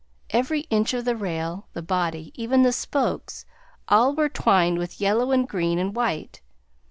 Every inch of the rail, the body, even the spokes, all were twined with yellow and green and white.